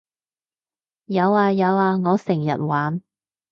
有呀有呀我成日玩